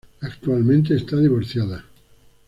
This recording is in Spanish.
Actualmente está divorciada.